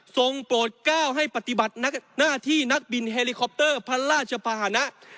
โปรดก้าวให้ปฏิบัติหน้าที่นักบินเฮลิคอปเตอร์พระราชภาษณะ